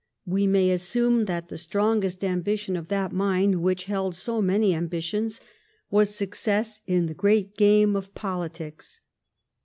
We may assume that the strongest ambition of that mind, which held so many ambitions, was success in the great game of poHtics.